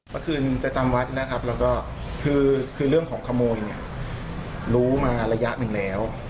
เมื่อคืนจะจำวัดนะครับแล้วก็คือเรื่องของขโมยเนี่ยรู้มาระยะหนึ่งแล้ว